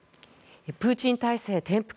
プーチン体制転覆